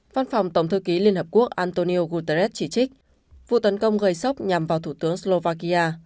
văn phòng tổng thư ký liên hợp quốc antonio guterres chỉ trích vụ tấn công gây sốc nhằm vào thủ tướng slovakia